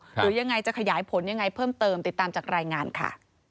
หรือยังไงจะขยายผลยังไงเพิ่มเติมติดตามจากรายงานค่ะ